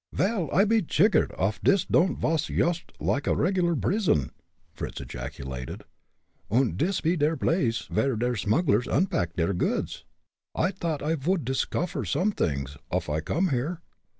"Vel, I be jiggered off dis don'd vas yoost like a regular brizon," Fritz ejaculated; "und dis pe der blace vere der smugglers unpack deir goods. I t'ought I vould discoffer somet'ings, off I come here.